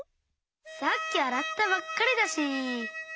さっきあらったばっかりだしいいや！